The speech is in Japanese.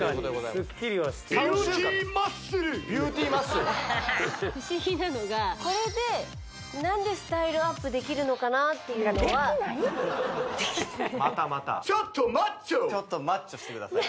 確かにスッキリはしてるねビューティーマッスル不思議なのがこれで何でスタイルアップできるのかなっていうのはまたまたちょっとマッチョしてください